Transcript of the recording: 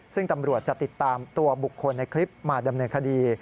ซึ่งตำรวจจะติดตามตัวบุคคลในคลิปมาดำเนินคดี